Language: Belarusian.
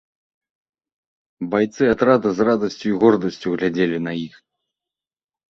Байцы атрада з радасцю і гордасцю глядзелі на іх.